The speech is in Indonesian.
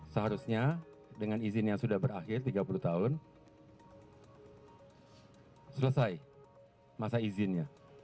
seharusnya dengan izin yang sudah berakhir tiga puluh tahun selesai masa izinnya